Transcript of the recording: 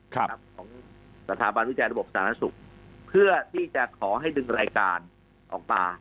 ของสถาบันวิจัยระบบสาธารณสุขเพื่อที่จะขอให้ดึงรายการออกมา